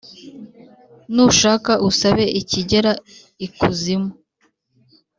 nushaka usabe ikigera ikuzimu